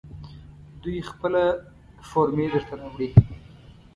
دوی خپله فورمې درته راوړي.